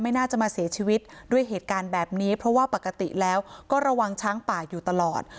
น่าจะมาเสียชีวิตด้วยเหตุการณ์แบบนี้เพราะว่าปกติแล้วก็ระวังช้างป่าอยู่ตลอด